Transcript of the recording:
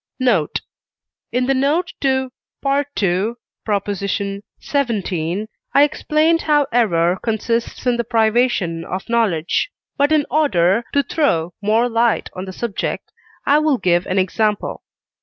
Note. In the note to II. xvii. I explained how error consists in the privation of knowledge, but in order to throw more light on the subject I will give an example.